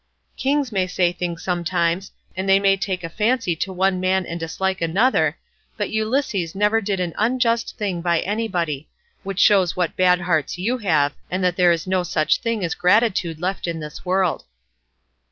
Kings may say things sometimes, and they may take a fancy to one man and dislike another, but Ulysses never did an unjust thing by anybody—which shows what bad hearts you have, and that there is no such thing as gratitude left in this world."